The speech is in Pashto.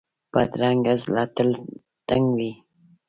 بدرنګه زړه تل تنګ وي